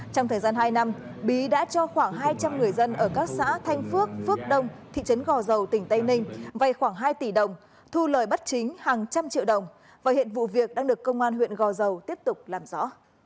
trong thời gian hai năm bí đã cho khoảng hai trăm linh người dân ở các xã thanh phước phước đông thị trấn gò dầu tỉnh tây ninh vay khoảng hai tỷ đồng thu lời bất chính hàng trăm triệu đồng và hiện vụ việc đang được công an huyện gò dầu tiếp tục làm rõ